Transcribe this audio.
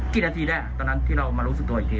กี่นาทีแรกตอนนั้นที่เรามารู้สึกตัวอีกที